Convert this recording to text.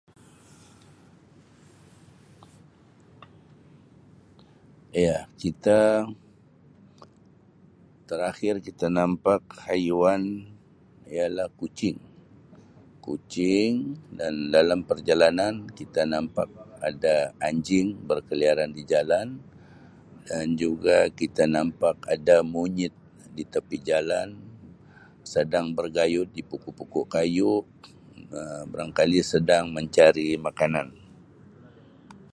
Ya, cita terakhir kita nampak haiwan ialah kucing. Kucing dan dalam perjalanan kita nampak ada anjing berkeliaran di jalan dan juga kita nampak ada munyet di tapi jalan sedang bergayut di pokok kayu Um barangkali sedang mencari makanan.